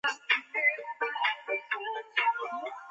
伊塔波罗罗卡是巴西帕拉伊巴州的一个市镇。